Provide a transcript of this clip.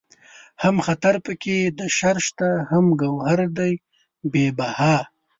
هم خطر پکې د شر شته هم گوهر دئ بې بها